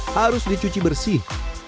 harus dicuci bersih